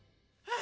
あ！